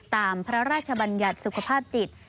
ตามพระราชบัญญัติสุขภาพจิต